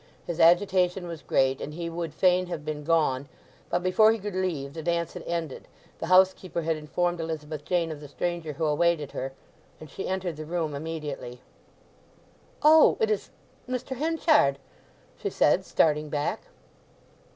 His agitation was great, and he would fain have been gone, but before he could leave the dance had ended, the housekeeper had informed Elizabeth Jane of the stranger who awaited her, and she entered the room immediately. "Oh—it is—Mr. Henchard!" she said, starting back.